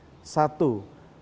harapan besar buat kereta api maju